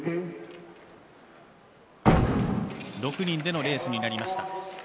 ６人でのレースになりました。